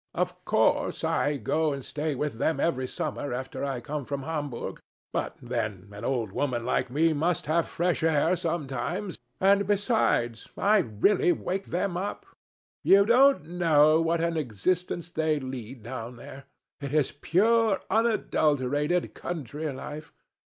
"Of course I go and stay with them every summer after I come from Homburg, but then an old woman like me must have fresh air sometimes, and besides, I really wake them up. You don't know what an existence they lead down there. It is pure unadulterated country life.